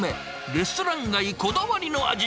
レストラン街こだわりの味。